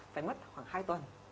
phải mất khoảng hai tuần